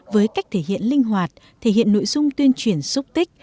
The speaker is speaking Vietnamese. với cách thể hiện linh hoạt thể hiện nội dung tuyên truyền xúc tích